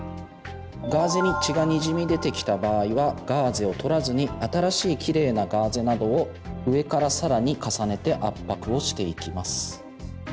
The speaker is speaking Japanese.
ガーゼに血がにじみ出てきた場合はガーゼを取らずに新しいキレイなガーゼなどを上から更に重ねて圧迫をしていきます。